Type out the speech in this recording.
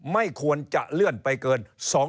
ไม่ควรจะเลื่อนไปเกิน